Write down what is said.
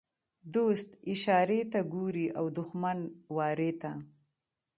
ـ دوست اشارې ته ګوري او دښمن وارې ته.